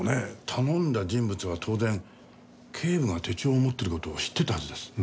頼んだ人物は当然警部が手帳を持ってる事を知ってたはずです。